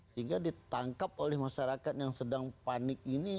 sehingga ditangkap oleh masyarakat yang sedang panik ini